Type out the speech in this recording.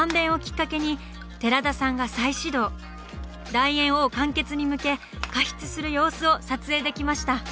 完結に向け加筆する様子を撮影できました！